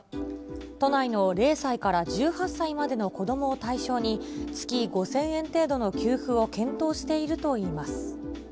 都内の０歳から１８歳までの子どもを対象に、月５０００円程度の給付を検討しているといいます。